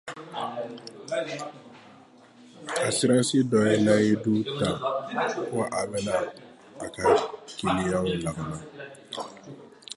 Asiransi dɔ ye layidu ta ko a bɛna a ka kiliyanw lakana.